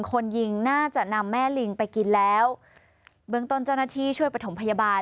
คนยิงน่าจะนำแม่ลิงไปกินแล้วเบื้องต้นเจ้าหน้าที่ช่วยประถมพยาบาล